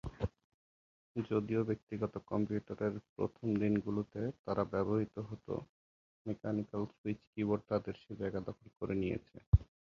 যদিও ব্যক্তিগত কম্পিউটারের প্রথম দিনগুলোতে তারা ব্যবহৃত হতো, মেকানিক্যাল সুইচ কীবোর্ড তাদের সে জায়গা দখল করে নিয়েছে।